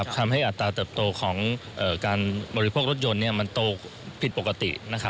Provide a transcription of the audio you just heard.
ทำให้อัตราเติบโตของการบริโภครถยนต์โตผิดปกติ